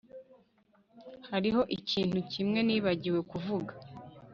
Hariho ikintu kimwe nibagiwe kuvuga